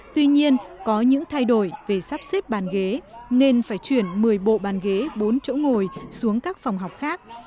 tuy nhiên có những thay đổi về sắp xếp bàn ghế nên phải chuyển một mươi bộ bàn ghế bốn chỗ ngồi xuống các phòng học khác